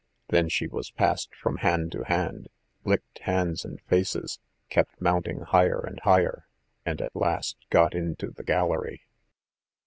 Then she was passed from hand to hand, licked hands and faces, kept mounting higher and higher, and at last got into the gallery.